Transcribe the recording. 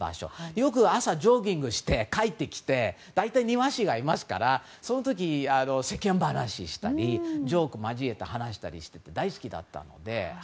よく、朝ジョギングして帰ってきて大体、庭師がいますからその時、世間話したりジョーク交えた話したり大好きだったので。